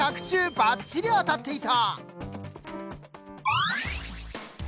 ばっちり当たっていた。